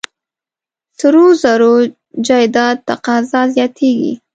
سرو زرو جایداد تقاضا زیاتېږي.